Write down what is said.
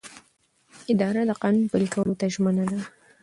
اداره د قانون پلي کولو ته ژمنه ده.